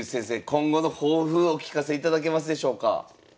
今後の抱負をお聞かせいただけますでしょうか。